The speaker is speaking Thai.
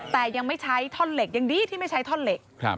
แต่ยังไม่ใช้ท่อนเหล็กยังดีที่ไม่ใช้ท่อนเหล็ก